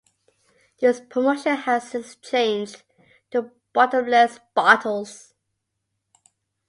This promotion has since changed to bottomless bottles.